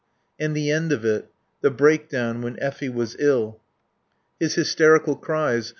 And the end of it. The break down, when Effie was ill. His hysterical cries.